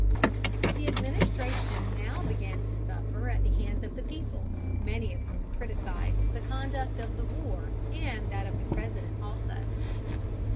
The administration now began to suffer at the hands of the people, many of whom criticised the conduct of the war and that of the President also.